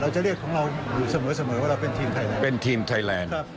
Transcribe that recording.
เราจะเรียกของเราอยู่เสมอว่าเราเป็นทีมไทยแลนด์